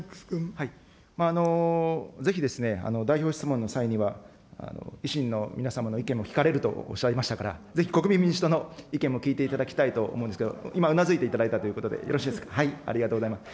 ぜひですね、代表質問の際には、維新の皆様の意見も聞かれるとおっしゃいましたから、ぜひ国民民主党の意見も聞いていただきたいと思うんですけれども、今、うなずいていただいたということで、よろしいですか、はい、ありがとうございます。